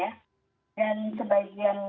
jadi kalau diberikan libur panjang